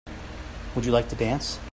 Would you like to dance?